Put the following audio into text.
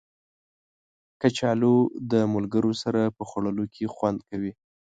کچالو د ملګرو سره په خوړلو کې خوند کوي